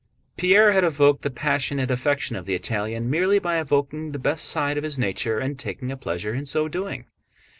Pierre had evoked the passionate affection of the Italian merely by evoking the best side of his nature and taking a pleasure in so doing.